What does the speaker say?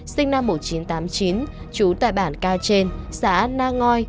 sinh năm một nghìn chín trăm tám mươi chín trú tại bản cao trên xã an nangoi